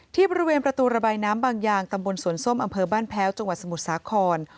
ที่บริเวณประตูระบายน้ำบางยางตำบลสวนส้มอำเภอบ้านแพ้วจังหวัดสมุทรสาคร